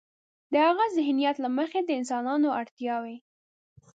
د هاغه ذهنیت له مخې د انسانانو اړتیاوې.